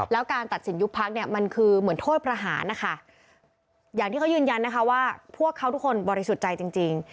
แล้วการตัดสินยุบพักเนี่ยมันคือเหมือนโทษประหารนะคะอย่างที่เขายืนยันนะคะว่าพวกเขาทุกคนบริสุทธิ์ใจจริง